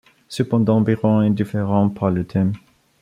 Cependant, Byron est différent par le thème.